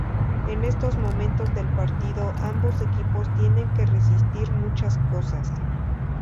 En estos momentos del partido ambos equipos tienen que resistir muchas cosas.